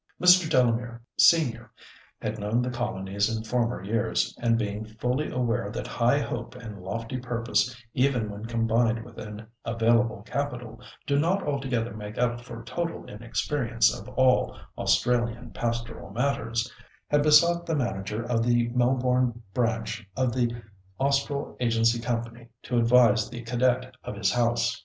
Mr. Delamere, senior, had known the colonies in former years, and being fully aware that high hope and lofty purpose, even when combined with an available capital, do not altogether make up for total inexperience of all Australian pastoral matters, had besought the manager of the Melbourne branch of the Austral Agency Company to advise the cadet of his house.